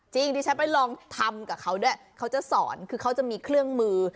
ดิฉันไปลองทำกับเขาด้วยเขาจะสอนคือเขาจะมีเครื่องมือ